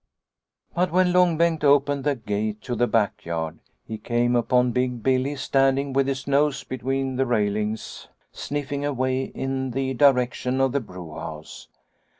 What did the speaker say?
But when Long Bengt opened the gate to the backyard, he came upon Big Billy standing with his nose between the palings sniffing away in the direction of the brewhouse.